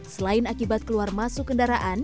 selain akibat keluar masuk kendaraan